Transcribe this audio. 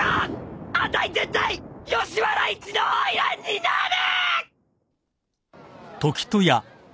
あたい絶対吉原一の花魁になる！！